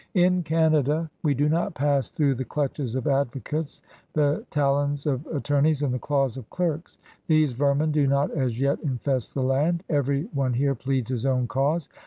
In Canada we SEI6NE17BS OF OLD CANADA 153 do not pass through the clutches of advocates, the talons of attorneys, and the daws of clerks. These vermin do not as yet infest the land. Every one here pleads his own cause.